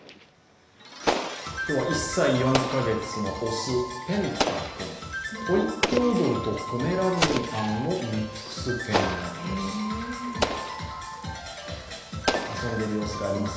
今日は１歳４カ月の雄、ぺんた君トイプードルとポメラニアンのミックス犬なんだそうです。